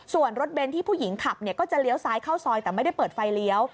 ส่วนรถเบนท์ที่ผู้หญิงขับก็จะเลี้ยวซ้ายเข้าซอยแต่ไม่ได้เปิดไฟเลี้ยว